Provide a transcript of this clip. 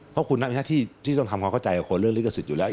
เพราะคุณนะที่ต้องทำความเข้าใจกับคนเรื่องลิขสิทธิ์อยู่แล้ว